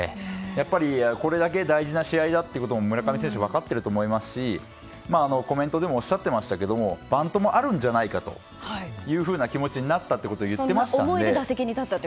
やっぱり、これだけ大事な試合だということも村上選手、分かっていると思いますしコメントでもおっしゃっていましたがバントもあるんじゃないかというふうな気持ちになったと言ってましたので。